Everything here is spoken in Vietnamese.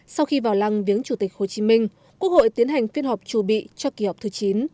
sau khi vào lăng viếng chủ tịch hồ chí minh quốc hội tiến hành phiên họp trù bị cho kỳ họp thứ chín